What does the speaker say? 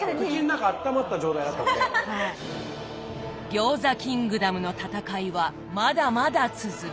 餃子キングダムの戦いはまだまだ続く。